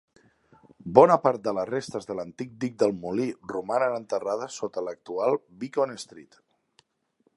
Bona part de les restes de l'antic dic del molí romanen enterrades sota l'actual Beacon Street.